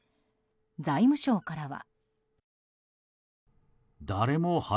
財務省からは。